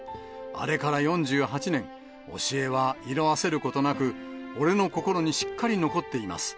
あれから４８年、教えは色あせることなく、俺の心にしっかり残っています。